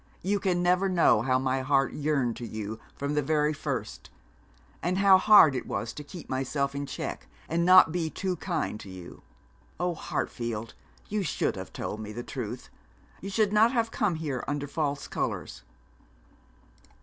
'You can never know how my heart yearned to you from the very first, and how hard it was to keep myself in check and not be too kind to you. Oh, Hartfield, you should have told me the truth. You should not have come here under false colours.'